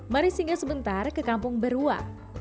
mari singgah sebentar ke kampung berua